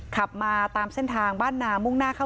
ขับมาตามเส้นทางบ้านนามุ่งหน้าเข้า